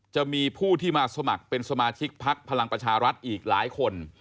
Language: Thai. จะมีผู้ที่มาสมัครเป็นสมาชิกพักพลังประชารัฐอีกหลายคน